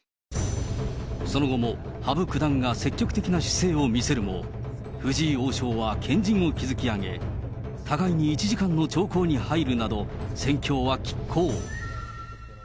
その後も羽生九段が積極的な姿勢を見せるも、藤井王将は堅陣を築き上げ、互いに１時間の長考に入るなど、戦況はきっ抗。